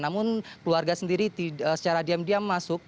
namun keluarga sendiri secara diam diam masuk